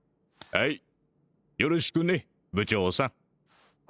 はいよろしくね部長さん